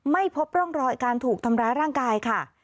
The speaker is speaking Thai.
ไม่พบร่องรอยการถูกทำร้ายร่างกายค่ะ